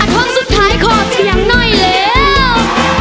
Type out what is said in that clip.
อาทรโทษสุดท้ายขอเถียงน้อยเร็ว